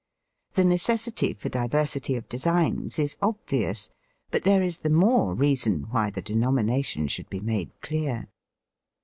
The necessity for diversity of designs is obvious ; but there is the more reason why the denomination should be made clear.